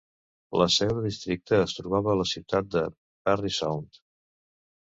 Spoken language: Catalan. La seu de districte es trobava a la ciutat de Parry Sound.